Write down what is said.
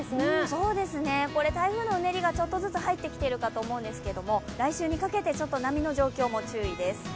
台風のうねりがちょっとずつ入ってきているかと思うんですが、来週にかけて波の状況も注意です。